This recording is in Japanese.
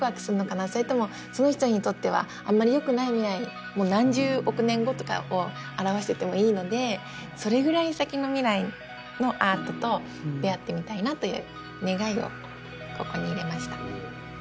それともその人にとってはあまりよくない未来もう何十億年後とかを表しててもいいのでそれぐらい先の未来のアートと出会ってみたいなという願いをここに入れました。